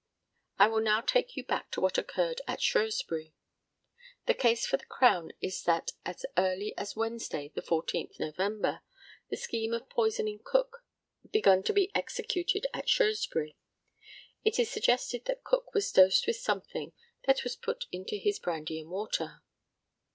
I will now take you back to what occurred at Shrewsbury. The case for the Crown is that as early as Wednesday, the 14th November, the scheme of poisoning Cook begun to be executed at Shrewsbury. It is suggested that Cook was dosed with something that was put into his brandy and water.